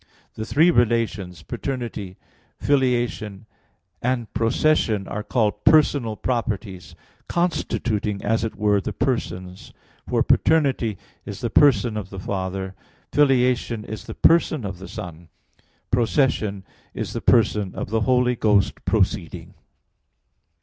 The three relations paternity, filiation, and procession are called personal properties, constituting as it were the persons; for paternity is the person of the Father, filiation is the person of the Son, procession is the person of the Holy Ghost proceeding.